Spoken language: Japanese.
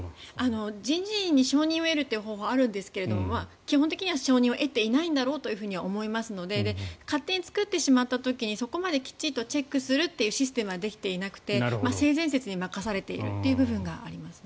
人事院に承認を得るという方法はあるんですが基本的には承認を得ていないんだろうと思いますので勝手に作ってしまった時にそこまできっちりチェックするシステムができていなくて性善説に任されているという部分がありますね。